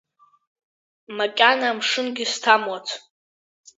Макьана амшынгьы сҭамлацт…